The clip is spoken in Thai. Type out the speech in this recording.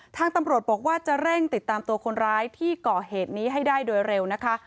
ทางตำรวจบอกว่าจะเร่งติดตามตัวคนร้ายที่ก่อเหตุนี้ให้ได้โดยเร็วนะคะ